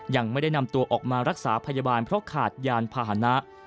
ยังไม่ได้นำตัวออกมารักษาพยาบาลเพราะขาดยานพาหนะ